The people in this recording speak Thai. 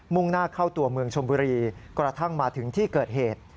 ่งหน้าเข้าตัวเมืองชมบุรีกระทั่งมาถึงที่เกิดเหตุ